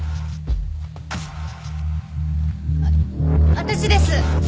私です。